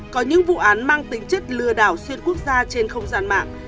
có những vụ án mang tính chất lừa đảo xuyên quốc gia trên không gian mạng